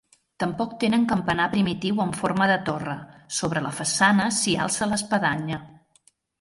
Tampoc tenen campanar primitiu en forma de torre; sobre la façana s'hi alça l'espadanya.